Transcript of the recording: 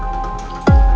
terima kasih banyak bu rosa